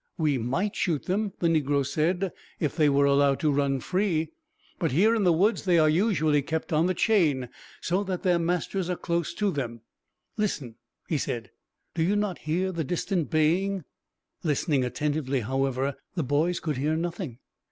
"We might shoot them," the negro said, "if they were allowed to run free; but here in the woods they are usually kept on the chain, so that their masters are close to them. "Listen," he said, "do you not hear the distant baying?" Listening attentively, however, the boys could hear nothing.